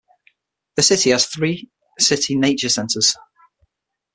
The city has three city nature centers.